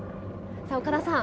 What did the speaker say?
さあ岡田さん